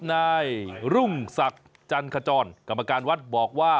นายรุ่งศักดิ์จันขจรกรรมการวัดบอกว่า